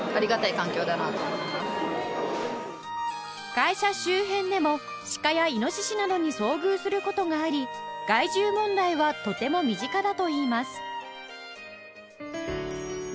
会社周辺でもシカやイノシシなどに遭遇する事があり害獣問題はとても身近だといいます